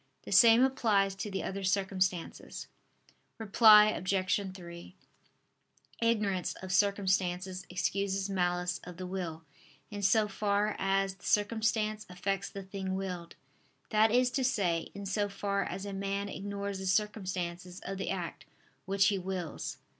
The same applies to the other circumstances. Reply Obj. 3: Ignorance of circumstances excuses malice of the will, in so far as the circumstance affects the thing willed: that is to say, in so far as a man ignores the circumstances of the act which he wills.